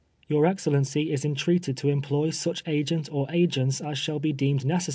Your excellency is entreated to employ such agent or agents as shall be deemed neces.